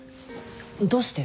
どうして？